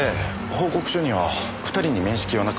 報告書には２人に面識はなく